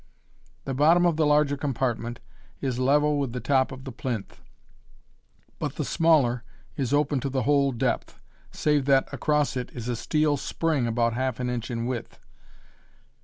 The bottom of the larger compartment is level with the top of the plinth, but the smaller is open to the whole depth, save that across it is a steel spring about half an inch in width.